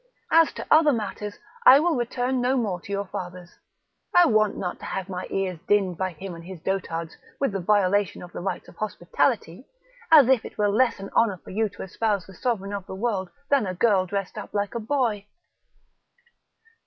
As to other matters, I will return no more to your father's; I want not to have my ears dinned by him and his dotards with the violation of the rites of hospitality; as if it were less an honour for you to espouse the sovereign of the world than a girl dressed up like a boy!"